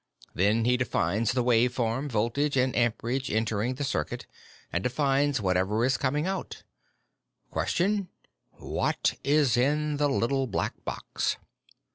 Then he defines the wave form, voltage, and amperage entering the circuit and defines whatever is coming out. Question: What is in the Little Black Box?